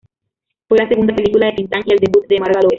Fue la segunda película de Tin Tan y el debut de Marga López.